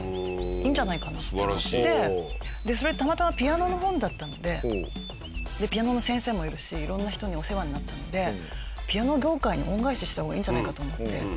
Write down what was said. それたまたまピアノの本だったのでピアノの先生もいるし色んな人にお世話になったのでピアノ業界に恩返しした方がいいんじゃないかと思って。